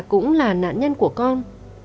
cũng là nạn nhân của con